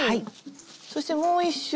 そしてもう一周。